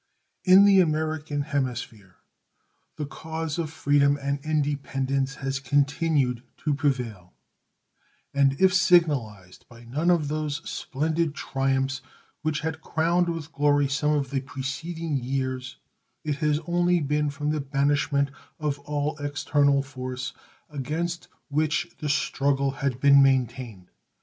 In the American hemisphere the cause of freedom and independence has continued to prevail, and if signalized by none of those splendid triumphs which had crowned with glory some of the preceding years it has only been from the banishment of all external force against which the struggle had been maintained.